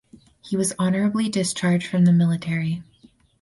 He was honorably discharged from the military.